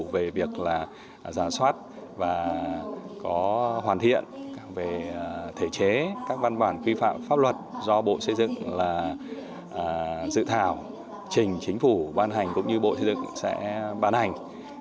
về việc là giả soát và có hoàn thiện về thể chế các văn bản quy phạm pháp luật do bộ xây dựng là dự thảo trình chính phủ ban hành cũng như bộ xây dựng sẽ ban hành